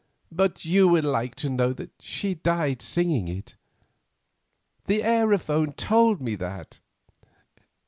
"But you will like to know that she died singing it. The aerophone told me that."